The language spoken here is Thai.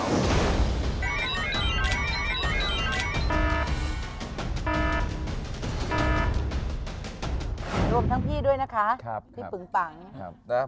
รวมทั้งพี่ด้วยนะคะพี่ปึงปังนะ